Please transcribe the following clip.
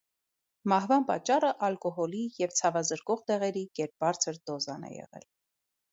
Մահվան պատճառը ալկոհոլի և ցավազրկող դեղերի գերբարձր դոզան է եղել։